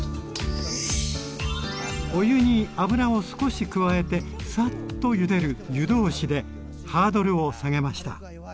お湯に油を少し加えてサッとゆでる「湯通し」でハードルを下げました。